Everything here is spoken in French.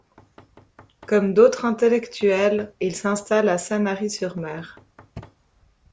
Comme d'autres intellectuels, il s'installe à Sanary-sur-Mer.